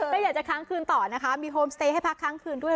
ก็อยากจะค้างคืนต่อนะคะมีโฮมสเตย์ให้พักค้างคืนด้วย